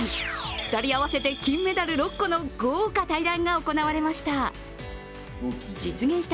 ２人合わせて、金メダル６個の豪華対談が行われました。